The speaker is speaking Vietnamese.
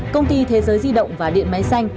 công ty thế giới di động và điện máy xanh